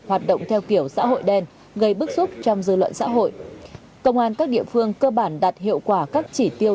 hoạt động theo kiểu xã hội đen gây bức xúc trong dư luận xã hội công an các địa phương cơ bản đạt hiệu quả các chỉ tiêu